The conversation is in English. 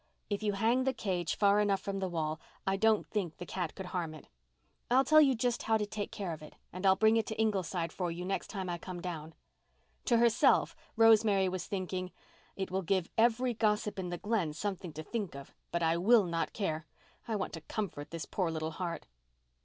"If you hang the cage far enough from the wall I don't think the cat could harm it. I'll tell you just how to take care of it and I'll bring it to Ingleside for you the next time I come down." To herself, Rosemary was thinking, "It will give every gossip in the Glen something to talk of, but I will not care. I want to comfort this poor little heart."